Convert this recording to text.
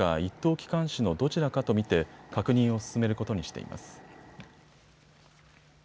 機関士のどちらかと見て確認を進めることにしています。